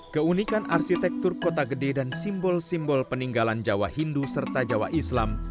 keunikan arsitektur kota gede dan simbol simbol peninggalan jawa hindu serta jawa islam